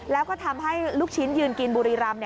แล้วก็ทำให้ลูกชิ้นยืนกินบุรีรำ